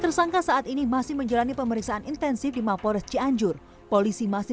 tersangka saat ini masih menjalani pemeriksaan intensif di mapores cianjur polisi masih